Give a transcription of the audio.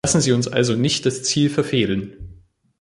Lassen Sie uns also nicht das Ziel verfehlen.